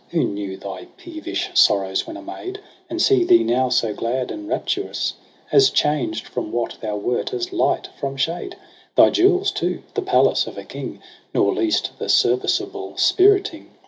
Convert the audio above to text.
Who knew thy peevish sorrows when a maid, And see thee now so glad and rapturous. As changed from what thou wert as Ught from shade • Thy jewels, too, the palace of a king. Nor least the serviceable spiriting.